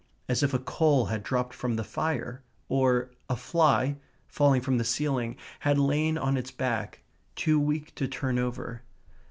as if a coal had dropped from the fire, or a fly, falling from the ceiling, had lain on its back, too weak to turn over.